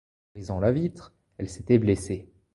En brisant la vitre elle s'était blessée.